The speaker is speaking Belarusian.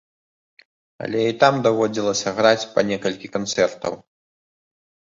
Але і там даводзілася граць па некалькі канцэртаў.